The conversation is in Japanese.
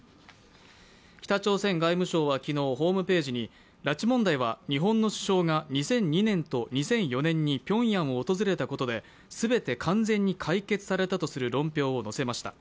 北朝鮮外務省は昨日、ホームページに拉致問題は日本の首相が２００２年と２００４年にピョンヤンを訪れたことで全て完全に解決されたとする論評を載せました。